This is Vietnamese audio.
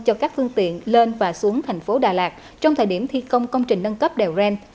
cho các phương tiện lên và xuống thành phố đà lạt trong thời điểm thi công công trình nâng cấp đèo ren